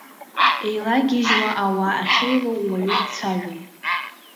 Еилагьежьуа ауаа ахьеилоу уаҩы дцәажәом.